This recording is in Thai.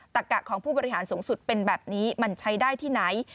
กะของผู้บริหารสูงสุดเป็นแบบนี้มันใช้ได้ที่ไหน